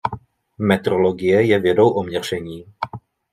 Metrologie je vědou o měření.